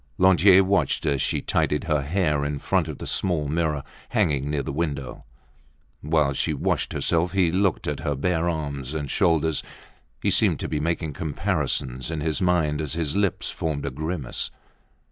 Lantier watched as she tidied her hair in front of the small mirror hanging near the window. While she washed herself he looked at her bare arms and shoulders. He seemed to be making comparisons in his mind as his lips formed a grimace.